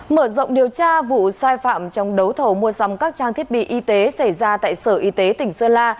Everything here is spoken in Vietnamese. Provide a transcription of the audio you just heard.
mở rộng điều tra vụ sai phạm trong đấu thầu mua sắm các trang thiết bị y tế xảy ra tại sở y tế tỉnh sơn la